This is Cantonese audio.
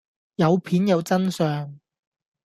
有片有真相